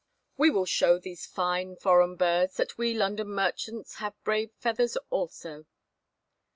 We will show these fine, foreign birds that we London merchants have brave feathers also."